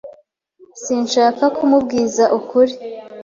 Sinshaka kumubwiza ukuri.